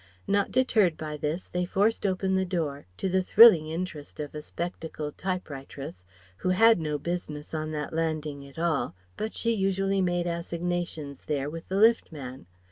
Not deterred by this, they forced open the door to the thrilling interest of a spectacled typewriteress, who had no business on that landing at all, but she usually made assignations there with the lift man.